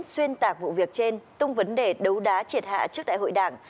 xuyên tạc vụ việc trên tung vấn đề đấu đá triệt hạ trước đại hội đảng